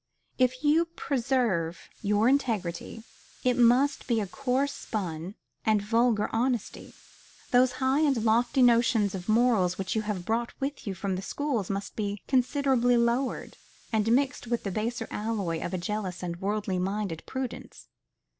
If you preserve your integrity, it must be a coarse spun and vulgar honesty. Those high and lofty notions of morals which you brought with you from the schools must be considerably lowered, and mixed with the baser alloy of a jealous and worldly minded prudence.